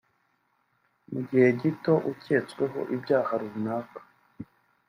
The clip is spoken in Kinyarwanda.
Mu gihe gito uketsweho ibyaha runaka